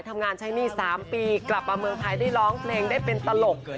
ทำงานใช้หนี้๓ปีกลับมาเมืองไทยได้ร้องเพลงได้เป็นตลก